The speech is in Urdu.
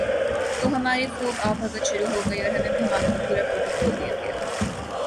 تو ہماری خوب آؤ بھگت شروع ہو گئی اور ہمیں مہمانوں کا پورا پروٹوکول دیا گیا ۔